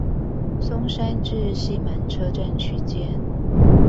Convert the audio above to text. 松山至西門車站區間